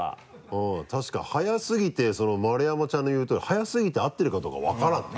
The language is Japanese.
うん確かに早すぎて丸山ちゃんの言うとおり早すぎて合ってるかどうか分からんな。